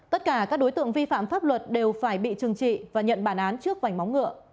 tất cả các đối tượng vi phạm pháp luật đều phải bị trừng trị và nhận bản án trước vành móng ngựa